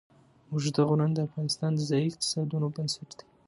اوږده غرونه د افغانستان د ځایي اقتصادونو بنسټ دی.